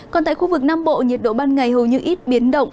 còn tại khu vực nam bộ nhiệt độ ban ngày hầu như ít biến động